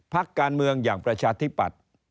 พักการเมืองอย่างประชาธิปัตย์